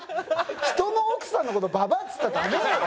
人の奥さんの事ババァっつったらダメだろ。